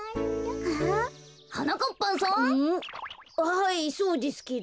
はいそうですけど。